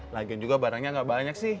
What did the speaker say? lagian juga barangnya gak banyak sih